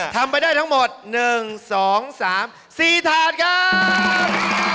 ทำไปได้ทั้งหมด๑๒๓๔ถาดครับ